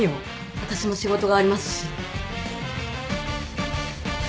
私も仕事がありますし。